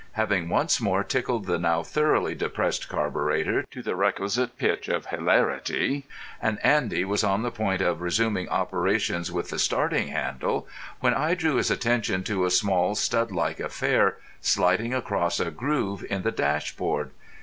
Having once more tickled the now thoroughly depressed carburetter to the requisite pitch of hilarity, Andy was on the point of resuming operations with the starting handle, when I drew his attention to a small stud like affair sliding across a groove in the dash board.